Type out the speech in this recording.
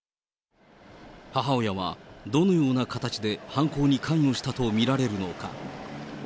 母親はどのような形で犯行に関与したと見られるのか。